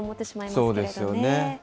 そうですよね。